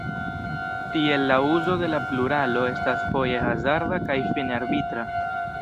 Tiele la "uzo de la pluralo estas foje hazarda kaj fine arbitra".